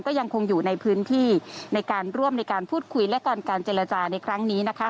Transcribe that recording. ก็ยังคงอยู่ในพื้นที่ในการร่วมในการพูดคุยและการเจรจาในครั้งนี้นะคะ